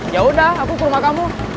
yaudah aku ke rumah kamu